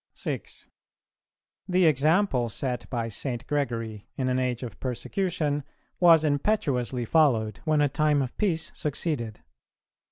6. The example set by St. Gregory in an age of persecution was impetuously followed when a time of peace succeeded.